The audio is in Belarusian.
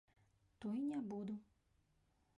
То і не буду!